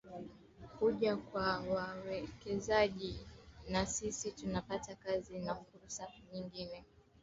Kuja kwa wawekezaji na sisi tunapata kazi na fursa nyingine